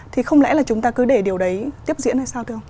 thì không lẽ là chúng ta cứ để điều đấy tiếp diễn hay sao tiêu